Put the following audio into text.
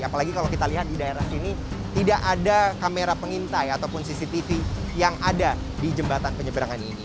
apalagi kalau kita lihat di daerah sini tidak ada kamera pengintai ataupun cctv yang ada di jembatan penyeberangan ini